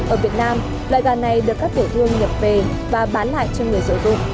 ở việt nam loại gà này được các tiểu thương nhập về và bán lại cho người sử dụng